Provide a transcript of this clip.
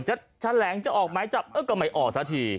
จะแถลงจะออกไหมจะไม่ออกสักที